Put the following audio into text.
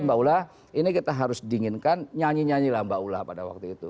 mbak ula ini kita harus dinginkan nyanyi nyanyi lah mbak ula pada waktu itu